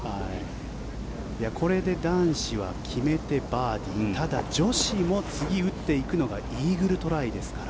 これで男子は決めてバーディーただ、女子も次打っていくのがイーグルトライですから。